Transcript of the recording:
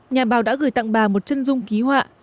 nhà báo đã gửi tặng bà một chân dung ký họa